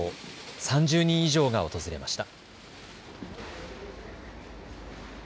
３０人以上が訪れました。